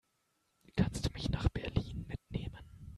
Kannst du mich nach Berlin mitnehmen?